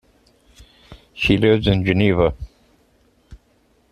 She lives in Geneva.